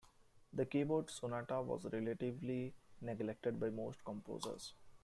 The keyboard sonata was relatively neglected by most composers.